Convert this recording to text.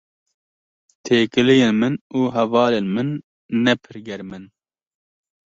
Têkiliyên min û hevalên min ne pir germ in.